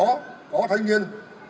có có thanh niên